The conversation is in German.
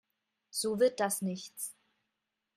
So wird das nichts.